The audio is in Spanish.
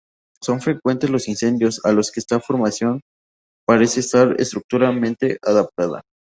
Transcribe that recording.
Son frecuentes los incendios, a los que esta formación parece estar estructuralmente adaptada.